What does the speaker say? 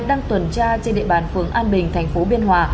đang tuần tra trên địa bàn phường an bình thành phố biên hòa